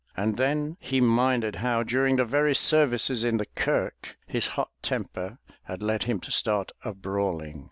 And then he minded how during the very services in the kirk, his hot temper had led him to start a brawling.